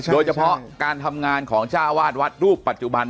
โดยเฉพาะการทำงานของจ้าวาดวัดรูปปัจจุบัน